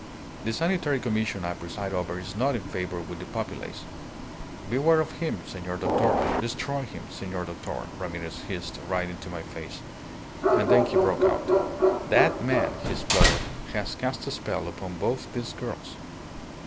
The Sanitary Commission I preside over is not in favour with the populace. 'Beware of him, senor doctor. Destroy him, senor doctor,' Ramirez hissed right into my face. And then he broke out. 'That man,' he spluttered, 'has cast a spell upon both these girls.